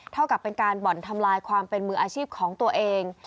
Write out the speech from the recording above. เท่ากับเป็นการบ่อนทำลายความเป็นมืออาชีพของตัวเอง